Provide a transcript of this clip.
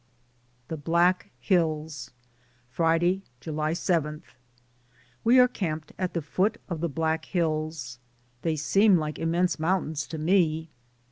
THE BLACK HILLS. Friday, July 7. We are camped at the foot of the Black Hills. They seem like immense mountains to me.